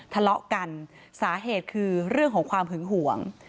ทะเลาะกันสาเหตุคือเรื่องของความหึงห่วง